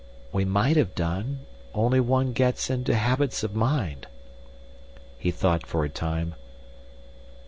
"We might have done. Only one gets into habits of mind." He thought for a time.